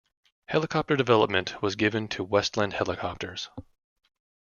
Helicopter development was given to Westland Helicopters.